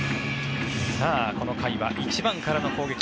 この回は１番からの攻撃。